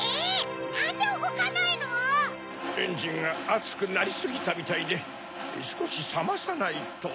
なんでうごかないの⁉エンジンがあつくなりすぎたみたいですこしさまさないと。